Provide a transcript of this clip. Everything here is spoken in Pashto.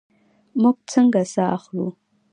موږ څنګه ساه اخلو؟